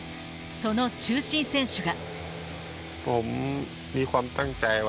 その中心選手が。